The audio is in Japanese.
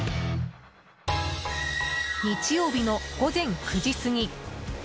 日曜日の午前９時過ぎ。